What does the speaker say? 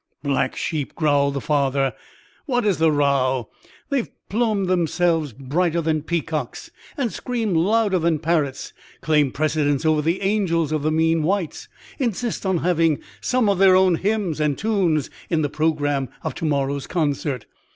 "Black sheep," growled the father; "what is the row?" "They have plumed themselves brighter than peacocks, and scream louder than parrots; claim precedence over the angels of the mean whites; insist on having some of their own hymns and tunes in the programme of to morrow's concert."